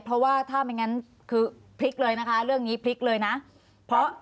เพราะว่าถ้าไม่งั้นคือพลิกเลยนะคะเรื่องนี้พลิกเลยนะเพราะ